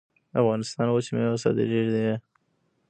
د افغانستان وچې میوې صادرېدې